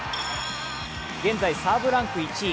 現在サーブランク１位